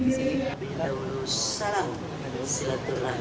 kita urus salam kepada silatulah